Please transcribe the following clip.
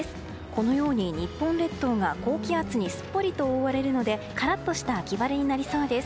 このように日本列島が高気圧にすっぽりと覆われるのでカラッとした秋晴れになりそうです。